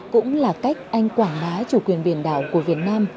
cũng là cách anh quảng bá chủ quyền biển đảo của việt nam